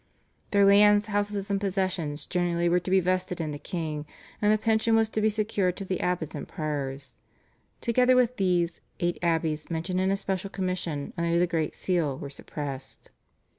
Their lands, houses and possessions generally were to be vested in the king, and a pension was to be secured to the abbots and priors. Together with these, eight abbies mentioned in a special commission under the great seal were suppressed.